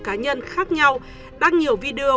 cá nhân khác nhau đăng nhiều video